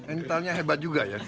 intelnya hebat juga ya